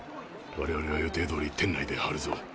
我々は予定どおり店内で張るぞ。